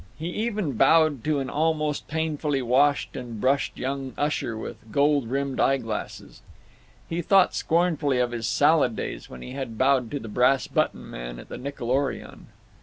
He even bowed to an almost painfully washed and brushed young usher with gold rimmed eye glasses. He thought scornfully of his salad days, when he had bowed to the Brass button Man at the Nickelorion.